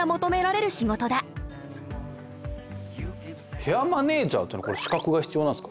ケアマネージャーというのは資格が必要なんですか。